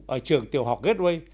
ở trường tiểu học gateway